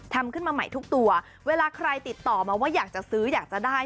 ทำขึ้นมาใหม่ทุกตัวเวลาใครติดต่อมาว่าอยากจะซื้ออยากจะได้